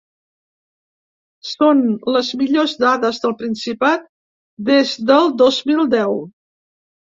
Són les millors dades del Principat des del dos mil deu.